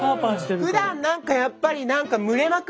ふだん何かやっぱり何か蒸れまくる。